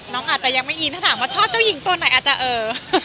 น้องอาจจะยังไม่อินถ้าถามว่าชอบเจ้าหญิงตัวไหนอาจจะเออ